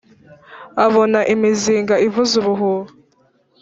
Abona imizinga ivuza ubuhuha